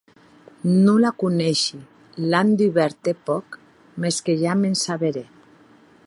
Non la coneishi; l’an dubèrt hè pòc; mès que ja m’en saberè.